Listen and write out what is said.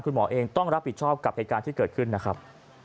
คุณหมอเองต้องรับผิดชอบกับเหตุการณ์ที่เกิดขึ้นนะครับ